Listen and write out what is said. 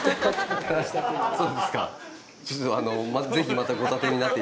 そうですか。